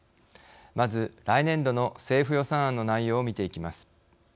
まず来年度の政府予算案の内容を見ていきます。